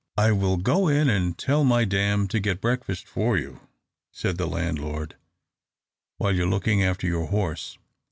"I will go in and tell my dame to get breakfast for you," said the landlord, "while you are looking after your horse.